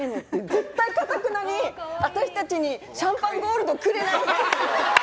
絶対かたくなに私たちにシャンパンゴールドをくれないんですよ。